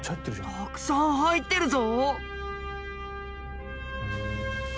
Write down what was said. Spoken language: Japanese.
たくさん入ってるぞ。